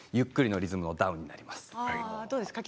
ゆっくりのリズムのダウンになります。